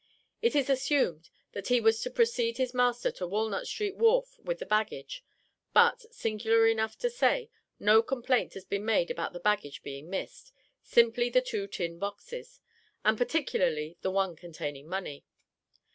It is assumed, that he was to precede his master to Walnut street wharf with the baggage; but, singular enough to say, no complaint has been made about the baggage being missed, simply the two tin boxes, and particularly the one containing money.